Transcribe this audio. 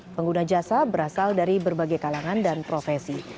pengguna jasa berasal dari berbagai kalangan dan profesi